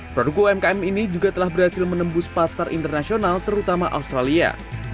produk umkm ini juga telah berhasil menembus pasar internasional terutama australia